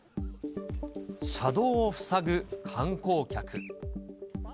車道を塞ぐ観光客。